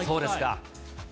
そうですか。